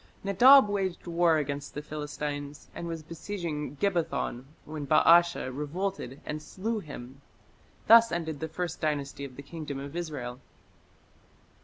Nadab waged war against the Philistines, and was besieging Gibbethon when Baasha revolted and slew him. Thus ended the First Dynasty of the Kingdom of Israel.